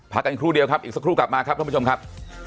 กันครู่เดียวครับอีกสักครู่กลับมาครับท่านผู้ชมครับ